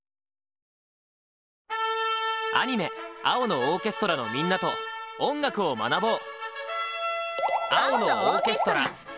アニメ「青のオーケストラ」のみんなと音楽を学ぼう！